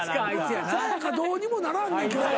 さや香どうにもならん今日は。